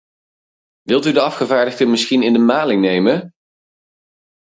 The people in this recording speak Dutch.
Wilt u de afgevaardigden misschien in de maling nemen?